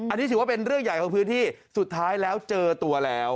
อันนี้ถือว่าเป็นเรื่องใหญ่ของพื้นที่สุดท้ายแล้วเจอตัวแล้ว